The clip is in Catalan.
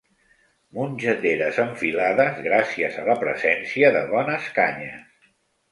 Mongeteres enfilades gràcies a la presència de bones canyes.